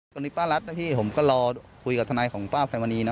กรณีป้ารัฐนะพี่ผมก็รอคุยกับทนายของป้าพลายมณี